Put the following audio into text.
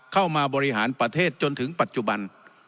เข้ามาบริหารประเทศจนถึงปัจจุบัน